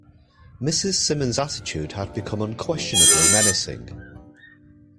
Mrs. Simmons's attitude had become unquestionably menacing.